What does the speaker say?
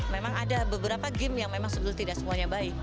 memang ada beberapa game yang memang sebetulnya tidak semuanya baik